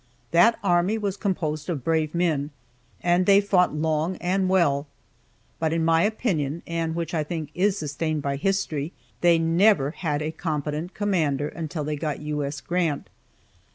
That army was composed of brave men, and they fought long and well, but, in my opinion, and which I think is sustained by history, they never had a competent commander until they got U. S. Grant.